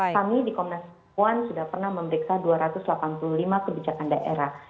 kami di komnas perempuan sudah pernah memeriksa dua ratus delapan puluh lima kebijakan daerah